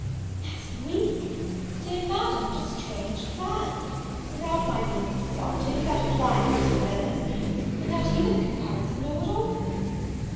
"Next week! dear Madam, what a strange plan! without my being consulted, without applying to Mr. Villars, without even the concurrence of Lord Orville!"